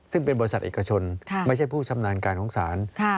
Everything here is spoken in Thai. ซึ่งเป็นบริษัทเอกชนไม่ใช่ผู้ชำนาญการของศาล